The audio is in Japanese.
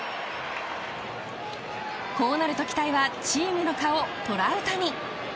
こうなると期待はチームの顔トラウタニ。